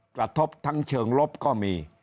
กระทบทั้งเชิงลบก็มี